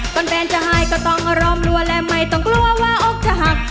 แฟนจะหายก็ต้องอารมณ์รัวและไม่ต้องกลัวว่าอกจากหัก